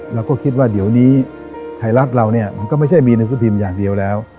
เราก็คิดว่าเดี๋ยวนี้ไทยรัฐเราเนี่ยมันก็ไม่ใช่มีหนังสือพิมพ์อย่างเดียวแล้ว